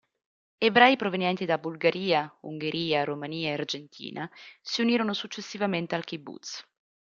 Ebrei provenienti da Bulgaria, Ungheria, Romania e Argentina si unirono successivamente al kibbutz.